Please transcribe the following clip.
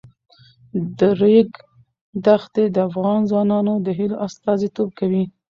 د ریګ دښتې د افغان ځوانانو د هیلو استازیتوب کوي.